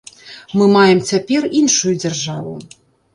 Мы маем цяпер іншую дзяржаву.